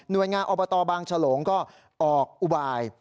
นวัยงานอปตบางจรงก็ออกอุบาย